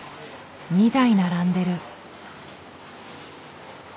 ２台並んでる。